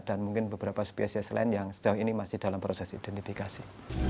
dan mungkin beberapa spesies lain yang sejauh ini masih dalam proses identifikasi